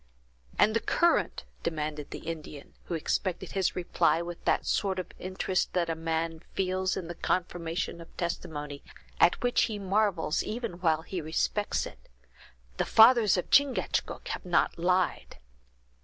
"And the current!" demanded the Indian, who expected his reply with that sort of interest that a man feels in the confirmation of testimony, at which he marvels even while he respects it; "the fathers of Chingachgook have not lied!"